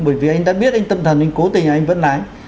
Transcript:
bởi vì anh đã biết anh tâm thần anh cố tình anh vẫn lái